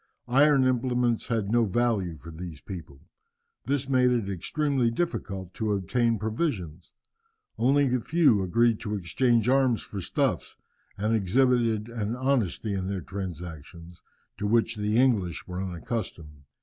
Iron implements had no value for these people. This made it extremely difficult to obtain provisions. Only a few agreed to exchange arms for stuffs, and exhibited an honesty in their transactions to which the English were unaccustomed.